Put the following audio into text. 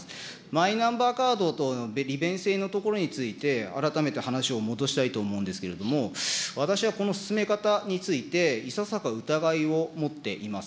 マイナンバーカード等の利便性のところについて、改めて話を戻したいと思うんですけれども、私はこの進め方について、いささか疑いを持っています。